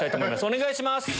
お願いします。